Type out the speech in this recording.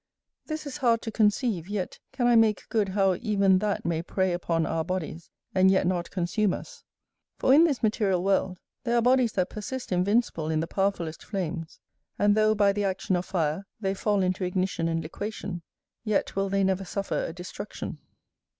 This is hard to conceive, yet can I make good how even that may prey upon our bodies, and yet not consume us: for in this material world, there are bodies that persist invincible in the powerfulest flames; and though, by the action of fire, they fall into ignition and liquation, yet will they never suffer a destruction.